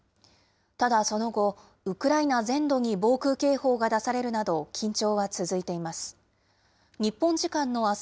ただその後、ウクライナ全土に防空警報が出されるなど、緊張は続いています。